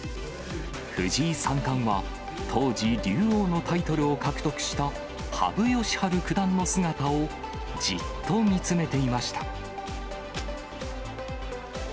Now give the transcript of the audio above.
藤井三冠は当時、竜王のタイトルを獲得した羽生善治九段の姿をじっと見つめていました。